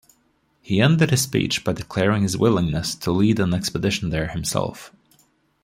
He ended his speech by declaring his willingness to lead an expedition there himself.